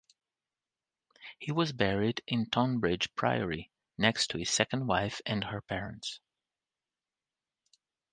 He was buried at Tonbridge Priory, next to his second wife and her parents.